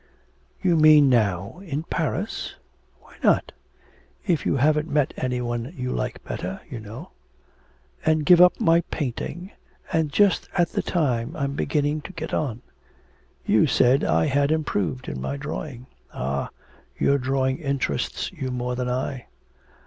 'You mean now, in Paris?' 'Why not? If you haven't met any one you like better, you know.' 'And give up my painting, and just at the time I'm beginning to get on! You said I had improved in my drawing.' 'Ah, your drawing interests you more than I.'